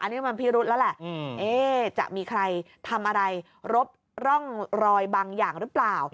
อันนี้มันพิรุษแล้วแหละจะมีใครทำอะไรรบร่องรอยบางอย่างหรือเปล่า